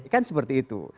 kan seperti itu